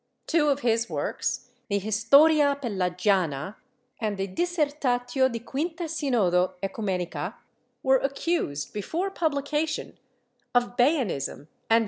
Two of his works, the Historia Pelagiana and the Dissertatio de Quinta Synodo CEcumenica, were accused, before publication, of Baianism and Jansenism; the MSS.